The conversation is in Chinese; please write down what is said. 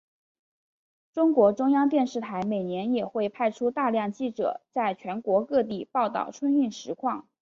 中国中央电视台每年也会派出大量记者在全国各地报道春运实况。